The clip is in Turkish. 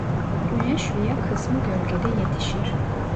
Güneş veya kısmi gölgede yetişir.